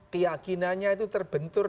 keyakinannya itu terbentuk